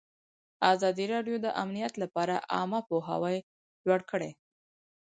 ازادي راډیو د امنیت لپاره عامه پوهاوي لوړ کړی.